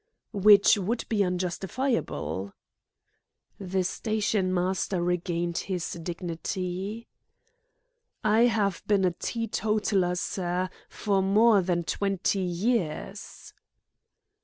"Which would be unjustifiable?" The stationmaster regained his dignity. "I have been a teetotaler, sir, for more than twenty years."